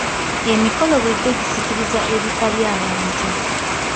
Emikolo bulijjo gisikiriza ebika by'abantu.